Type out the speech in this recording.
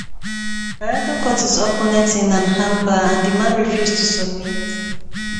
Barreto caught his opponent in an armbar and the man refused to submit.